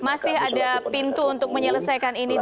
masih ada pintu untuk menyelesaikan ini